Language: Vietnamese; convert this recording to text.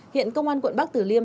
hiện công an quận bắc tử liêm